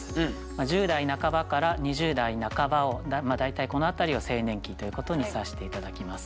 十代半ばから二十代半ばをまあ大体この辺りを青年期ということにさせて頂きます。